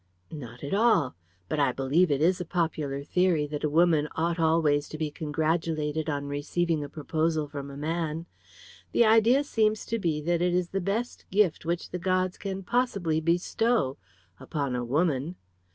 "Not at all. But I believe that it is a popular theory that a woman ought always to be congratulated on receiving a proposal from a man. The idea seems to be that it is the best gift which the gods can possibly bestow upon a woman.